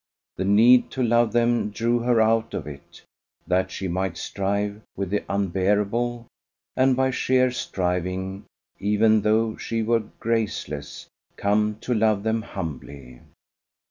The need to love them drew her out of it, that she might strive with the unbearable, and by sheer striving, even though she were graceless, come to love them humbly.